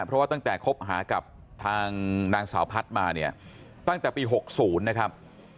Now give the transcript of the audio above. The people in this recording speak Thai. เพราะว่าตั้งแต่คบหากับทางนางสาวพัฒน์มาเนี่ยตั้งแต่ปี๖๐นะครับ